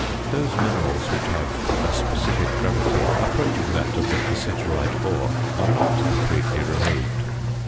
Those minerals which have a specific gravity approaching that of the cassiterite are not completely removed.